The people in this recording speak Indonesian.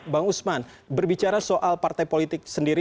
bang usman berbicara soal partai politik sendiri